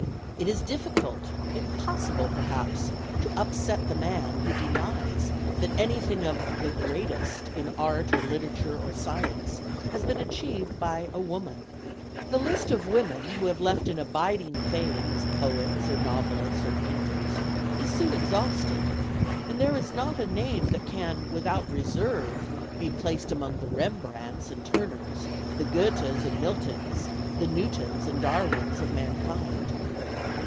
It is difficult, impossible perhaps, to upset the man who denies that anything of "the greatest" in art, or literature, or science has been achieved by a woman. The list of women who have left an abiding fame as poets, or novelists, or painters is soon exhausted, and there is not a name that can, without reserve, be placed among the Rembrandts and Turners, the Goethes and Miltons, the Newtons and Darwins of mankind.